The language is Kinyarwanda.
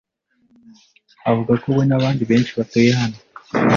avuga ko we n'abandi benshi batuye hano